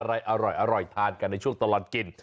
อะไรอร่อยทานกันในช่วงตลอดกิน